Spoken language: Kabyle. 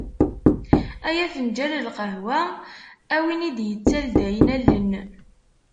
Ay afenǧal n lqahwa, a win i d-yettaldayen allen.